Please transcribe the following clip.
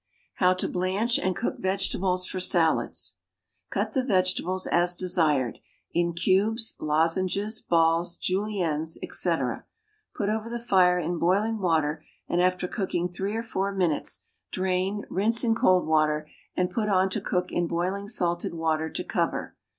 =How to Blanch and Cook Vegetables for Salads.= Cut the vegetables as desired, in cubes, lozenges, balls, juliennes, etc. Put over the fire in boiling water, and, after cooking three or four minutes, drain, rinse in cold water, and put on to cook in boiling salted water to cover.